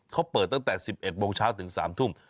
เขาเปิดตั้งแต่๑๑โมงเช้าถึง๓ทุ่ม